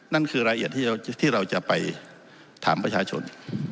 นั่นคือรายละเอียดที่เราจะไปถามประชาชน